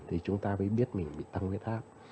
thì chúng ta mới biết mình bị tăng huyết áp